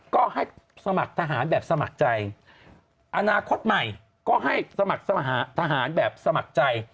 ก็ให้สมัครทหารแบบสมัครใจอนาคตใหม่ก็ให้สมัครทหารแบบสมัครใจ